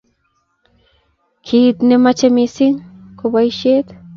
Kiit nemache missing ko boisiet